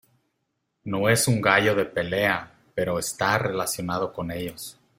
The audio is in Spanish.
No es un gallo de pelea pero está relacionado con ellos.